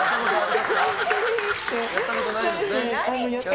やったことないですね。